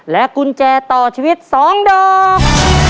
และกุญแจต่อชีวิตสองดอก